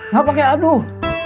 gak pake aduh